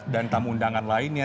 dan tamu undangan lainnya